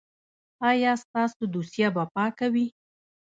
ایا ستاسو دوسیه به پاکه وي؟